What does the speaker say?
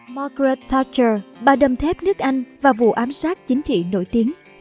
margaret thatcher bà đầm thép nước anh và vụ ám sát chính trị nổi tiếng